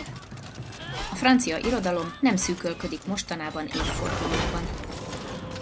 A francia irodalom nem szűkölködik mostanában évfordulókban.